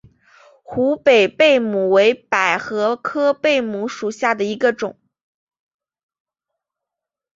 湖北贝母为百合科贝母属下的一个种。